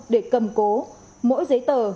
để cầm cố mỗi giấy tờ